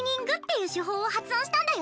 いう手法を発案したんだよ。